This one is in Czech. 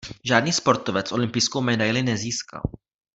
Žádný sportovec olympijskou medaili nezískal.